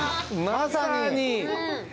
まさに。